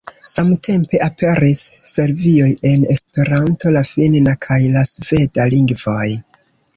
Samtempe aperis versioj en Esperanto, la finna kaj la sveda lingvoj.